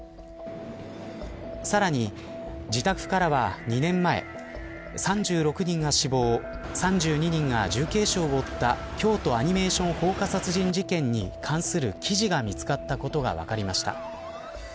さらに、自宅からは２年前３６人が死亡３２人が重軽傷を負った京都アニメーション放火殺人事件に関する記事が見つかったことが分かりました。